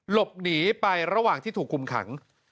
หลบหนีไประหว่างที่ถูกคุมขัง